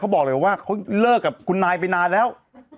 บอกเลยว่าเขาเลิกกับคุณนายไปนานแล้ว